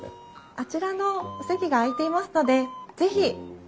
あちらのお席が空いていますので是非。